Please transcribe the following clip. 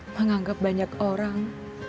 menganggap banyak orang